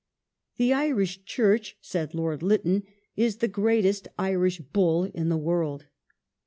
"The Irish Church," said Lord Lytton, "is the gi*eatest Irish Bull in the world."